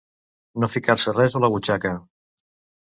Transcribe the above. No ficar-se res a la butxaca.